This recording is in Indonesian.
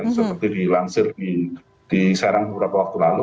seperti dilansir di serang beberapa waktu lalu